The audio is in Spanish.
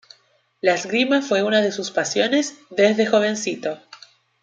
La esgrima fue una de sus pasiones desde jovencito.